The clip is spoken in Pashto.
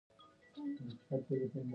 رښتيا ويل د باور بنسټ دی.